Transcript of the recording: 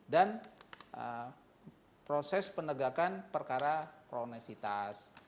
dan proses penegakan perkara koneksitas